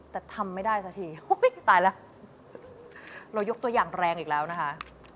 แต่ทำไม่ได้สักทีตายแล้วเรายกตัวอย่างแรงอีกแล้วนะคะ